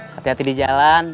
hati hati di jalan